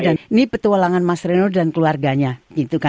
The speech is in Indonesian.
ini petualangan mas reno dan keluarganya